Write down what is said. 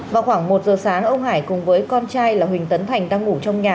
vào khoảng một giờ sáng ông hải cùng với con trai là huỳnh tấn thành đang ngủ trong nhà